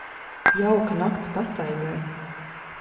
Jauka nakts pastaigai.